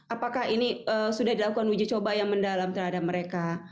apakah ini sudah dilakukan uji coba yang mendalam terhadap mereka